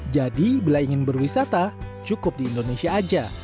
jadi bila ingin berwisata cukup di indonesia saja